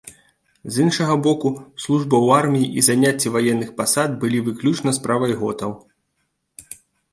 З іншага боку, служба ў арміі і заняцце ваенных пасад былі выключна справай готаў.